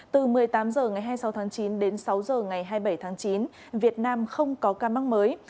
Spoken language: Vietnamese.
từ một mươi tám h ngày hai mươi sáu tháng chín đến sáu h ngày hai mươi bảy tháng chín việt nam không có ca mắc mới